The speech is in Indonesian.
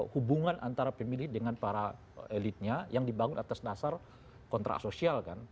hubungan antara pemilih dengan para elitnya yang dibangun atas dasar kontrak sosial kan